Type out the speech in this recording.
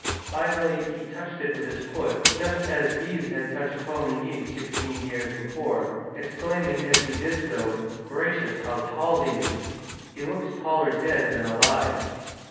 Finally he touched it with his foot, just as Guise had touched Coligny sixteen years before (see p. 263), exclaiming as he did so :" Gracious, how tall he is I He looks taller dead than alive